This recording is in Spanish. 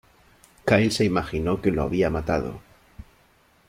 Kyle se imaginó que lo había matado.